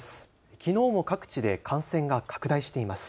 きのうも各地で感染が拡大しています。